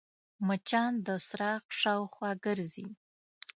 مچان د څراغ شاوخوا ګرځي